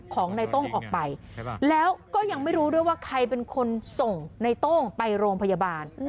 ของในโต้งออกไปแล้วก็ยังไม่รู้ด้วยว่าใครเป็นคนส่งในโต้งไปโรงพยาบาล